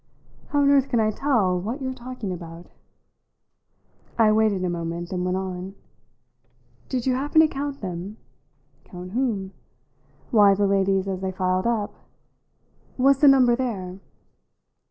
"How on earth can I tell what you're talking about?" I waited a moment, then went on: "Did you happen to count them?" "Count whom?" "Why, the ladies as they filed up. Was the number there?"